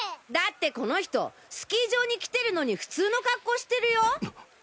だってこの人スキー場に来てるのに普通の格好してるよ。